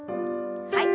はい。